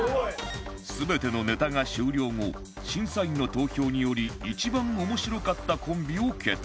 全てのネタが終了後審査員の投票により一番面白かったコンビを決定